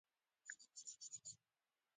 ه دې لارې ورته ډېر ځوان رایه ورکوونکي جذب شوي وو.